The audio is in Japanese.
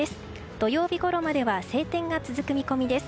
土曜日ごろまでは晴天が続く見込みです。